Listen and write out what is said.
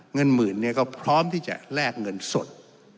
เงินหมื่นเนี่ยก็พร้อมที่จะแลกเงินสด